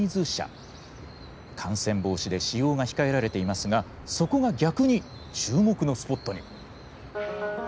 感染防止で使用が控えられていますがそこが逆に注目のスポットに。